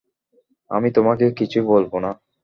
আমি তোমাকে কিছুই বলবো না।